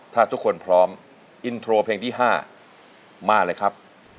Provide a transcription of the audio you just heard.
ถ้าทุกคนพร้อมอินโทรเพลงที่๕มาเลยครับ